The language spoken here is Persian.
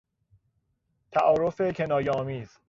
تعارف کنایه آمیز